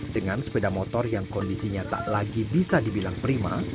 dengan sepeda motor yang kondisinya tak lagi bisa dibilang prima